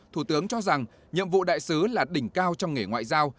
thủ tướng cho rằng nhiệm vụ đại sứ là đỉnh cao trong nghề ngoại giao